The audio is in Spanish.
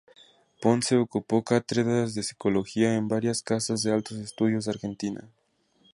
Ponce ocupó cátedras de Psicología en varias casas de altos estudios de Argentina.